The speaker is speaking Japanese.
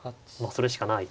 それしかない。